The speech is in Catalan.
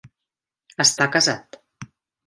Està casat.